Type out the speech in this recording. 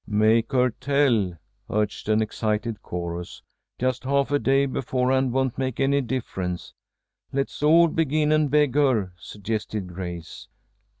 "Make her tell," urged an excited chorus. "Just half a day beforehand won't make any difference." "Let's all begin and beg her," suggested Grace.